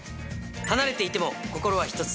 離れていても心は１つ。